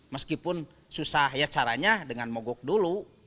meskipun susah ya caranya dengan mogok dulu